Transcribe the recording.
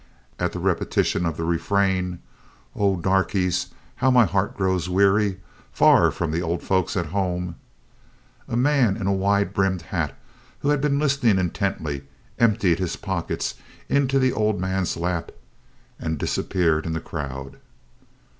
At the repetition of the refrain, "Oh, darkies, how my heart grows weary, Far from the old folks at home," a man in a wide brimmed hat who had been listening intently emptied his pockets into the old man's lap and disappeared in the crowd.